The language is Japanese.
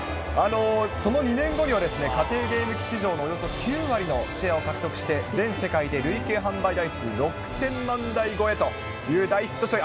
その２年後には、家庭ゲーム機市場のおよそ９割のシェアを獲得して、全世界で累計販売台数６０００万台超えという大ヒット商品。